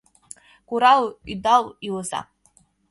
Курал, ӱдал илыза.